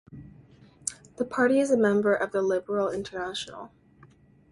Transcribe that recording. The party is a member of the Liberal International.